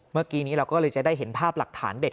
เมื่อกี้นี้เราก็เลยจะได้เห็นภาพหลักฐานเด็ด